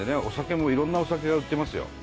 お酒もいろんなお酒が売ってますよ。